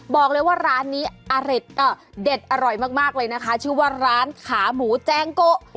บอกเลยว่าร้านนี้เด็ดอร่อยมากเลยนะคะชื่อว่าร้านขาหมูแจงโกะ